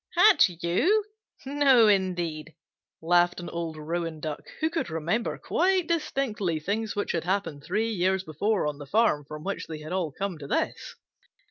"Hatch you? No indeed," laughed an old Rouen Duck, who could remember quite distinctly things which had happened three years before on the farm from which they had all come to this.